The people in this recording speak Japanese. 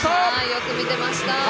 よく見ていました。